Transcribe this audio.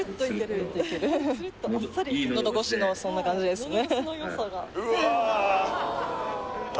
のど越しのそんな感じですうわ！